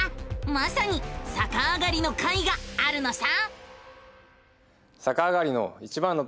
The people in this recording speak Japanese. まさにさかあがりの回があるのさ！